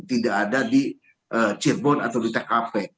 tidak ada di cirebon atau di tkp